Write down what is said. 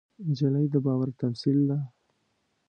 نجلۍ د باور تمثیل ده.